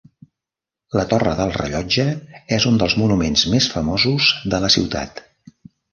La torre del rellotge és un dels monuments més famosos de la ciutat.